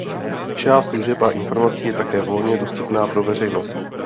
Část služeb a informací je také volně dostupná pro veřejnost.